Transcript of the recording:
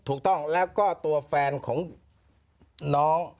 ถูกต้องแล้วก็ตัวแฟนของน้อง